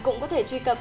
cũng có thể truy cập